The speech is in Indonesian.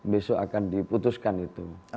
besok akan diputuskan itu